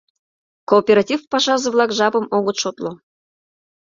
Кооператив пашазе-влак жапым огыт шотло.